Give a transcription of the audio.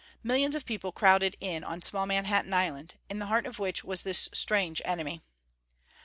Millions of people crowded in on small Manhattan Island, in the heart of which was this strange enemy.